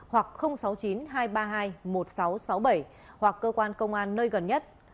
hoặc sáu mươi chín hai trăm ba mươi hai một nghìn sáu trăm sáu mươi bảy hoặc cơ quan công an nơi gần nhất